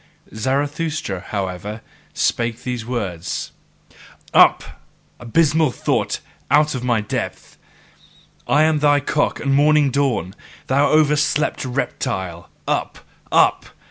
Zarathustra, however, spake these words: Up, abysmal thought out of my depth! I am thy cock and morning dawn, thou overslept reptile: Up! Up!